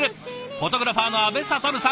フォトグラファーの阿部了さん